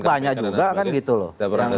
banyak juga kan gitu loh